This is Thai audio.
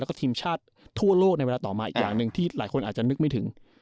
แล้วก็ทีมชาติทั่วโลกในเวลาต่อมาอีกอย่างหนึ่งที่หลายคนอาจจะนึกไม่ถึง